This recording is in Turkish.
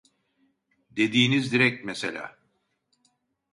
Dediğiniz direk mesela